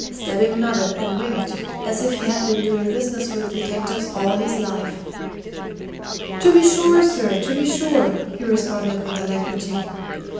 Stebbing nodded and winked, as if he had been doing business with detectives all his life. "To be sure, sir, to be sure!" he responded with alacrity.